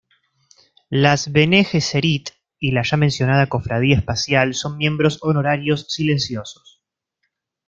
Las Bene Gesserit y la ya mencionada Cofradía Espacial son miembros honorarios silenciosos.